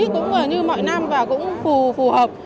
cũng như mọi năm và cũng phù hợp